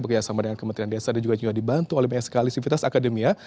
bergayah sama dengan kementerian desa dan juga juga dibantu oleh banyak sekali sivitas akademia